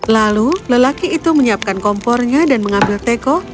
lalu lelaki itu menyiapkan kompornya dan mengambil teko